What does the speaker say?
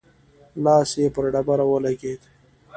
لاس يې پر ډبره ولګېد.